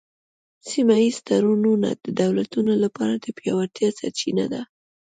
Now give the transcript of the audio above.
سیمه ایز تړونونه د دولتونو لپاره د پیاوړتیا سرچینه ده